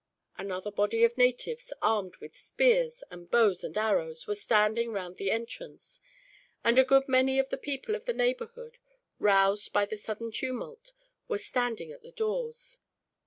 Another body of natives, armed with spears and bows and arrows, were standing round the entrance; and a good many of the people of the neighborhood, roused by the sudden tumult, were standing at the doors.